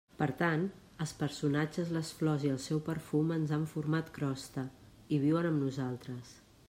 Per tant, els personatges, les flors i el seu perfum ens han format crosta i viuen amb nosaltres.